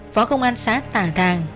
phó công an xác tả thàng